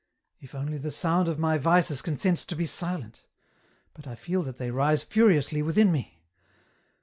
If only the sound of my vices consents to be silent, but I feel that they rise furiously within me.